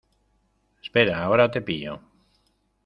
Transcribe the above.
espera, ahora te pillo.